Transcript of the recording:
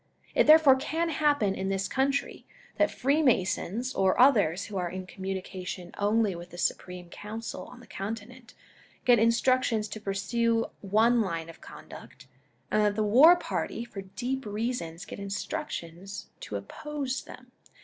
It therefore can happen in this country, that Freemasons or others who are in communication only with the Supreme Council on the Continent, get instructions to pursue one line of conduct, and that the war party for deep reasons get instructions to oppose them.